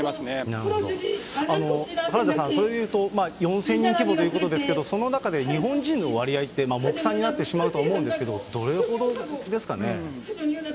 なるほど原田さん、そういうと、４０００人規模ということですけど、その中で日本人の割合って、目算になってしまうと思うんですけれども、どれほどですかね？